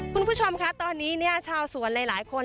คุณผู้ชมค่ะตอนนี้ชาวสวนหลายคน